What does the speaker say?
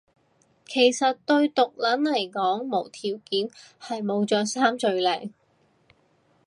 其實對毒撚嚟講無條件係冇着衫最靚